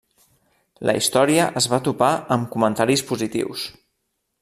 La història es va topar amb comentaris positius.